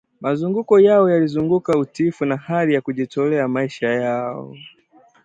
Mazungumzo yao yaliyozunguka utiifu na hali ya kujitolea ya maisha yao